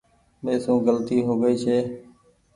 ميسو گلتي هوگئي ڇي